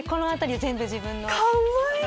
かわいい！